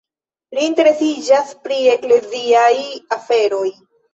Li interesiĝas pri ekleziaj aferoj.